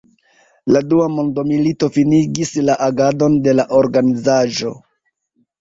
La Dua Mondmilito finigis la agadon de la organizaĵo.